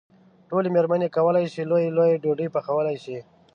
ټولې مېرمنې کولای شي لويې لويې ډوډۍ پخولی شي.